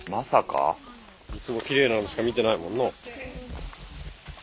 いつもきれいなのしか見てないもんな。